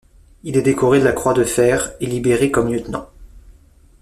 Il est décoré de la croix de fer, et libéré comme lieutenant.